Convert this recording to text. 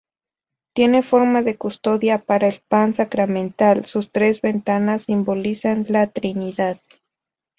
Tiene forma de custodia para el pan sacramental; sus tres ventanas simbolizan la Trinidad.